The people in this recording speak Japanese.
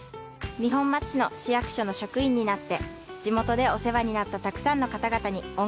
二本松市の市役所の職員になって地元でお世話になったたくさんの方々に恩返しがしたいです。